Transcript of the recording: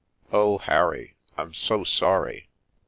Oh, Harry, I'm so sorry